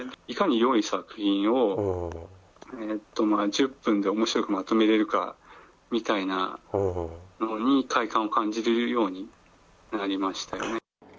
いかによい作品を１０分でおもしろくまとめれるかみたいなのに、快感を感じるようになりましたよね。